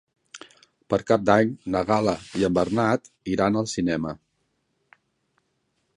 Per Cap d'Any na Gal·la i en Bernat iran al cinema.